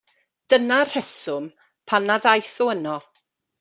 Dyna'r rheswm pam nad aeth o yno.